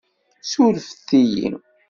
Ssurefet-iyi.